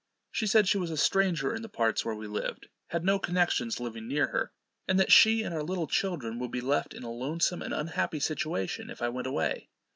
She said she was a stranger in the parts where we lived, had no connexions living near her, and that she and our little children would be left in a lonesome and unhappy situation if I went away.